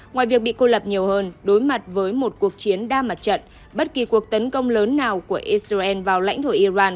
ngoài việc bị cô lập nhiều hơn đối mặt với một cuộc chiến đa mặt trận bất kỳ cuộc tấn công lớn nào của israel vào lãnh thổ iran